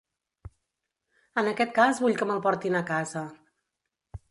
En aquest cas vull que me'l portin a casa.